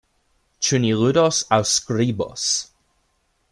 Ĉu ni ludos aŭ skribos?